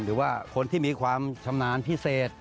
หรือว่าคนที่มีความชำนาญพิเศษ